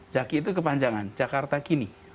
jaki itu kepanjangan jakarta gini